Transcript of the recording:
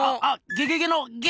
ゲゲゲのゲ！